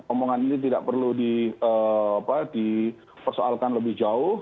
omongan ini tidak perlu di persoalkan lebih jauh